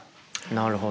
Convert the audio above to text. なるほど。